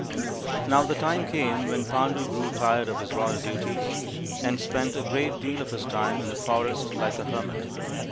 Now the time came when Pandu grew tired of his royal duties, and spent a great deal of his time in the forest like a hermit.